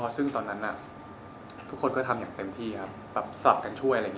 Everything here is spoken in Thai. ซึ่งตอนนั้นทุกคนก็ทำอย่างเต็มที่ครับแบบสลับกันช่วยอะไรอย่างนี้